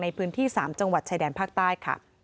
ในพื้นที่๓จังหวัดชายแดนภาคใต้ค่ะ